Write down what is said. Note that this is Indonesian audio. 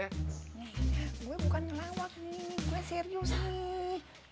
nih gue bukan ngelawak nih gue serius nih